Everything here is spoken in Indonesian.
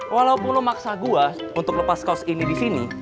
walaupun lu maksa gue untuk lepas kaos ini disini